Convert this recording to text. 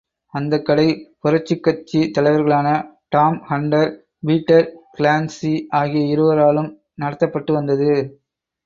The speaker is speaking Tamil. அந்தக் கடை புரட்சிக்கட்சித் தலைவர்களான டாம் ஹண்டர், பீட்டர் கிளான்ஸி ஆகிய இருவராலும் நடத்தப்பட்டு வந்தது.